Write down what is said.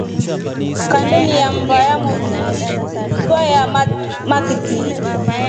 Kandeni ya mbaa ya motru twayaa makith.